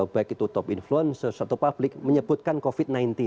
pada masa itu top influence sesuatu publik menyebutkan covid sembilan belas